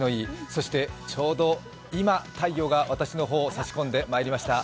そしてちょうど今、太陽が私の方に差し込んでまいりました。